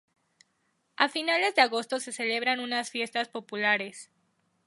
A finales de agosto se celebran unas fiestas populares.